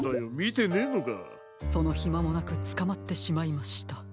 そのひまもなくつかまってしまいました。